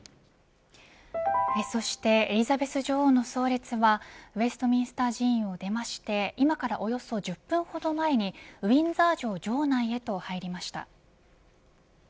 そしてエリザベス女王の葬列はウェストミンスター寺院を出まして今からおよそ１０分ほど前にウィンザー城城内へと入りました。